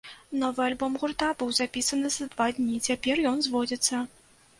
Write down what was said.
Новы альбом гурта быў запісаны за два дні, цяпер ён зводзіцца.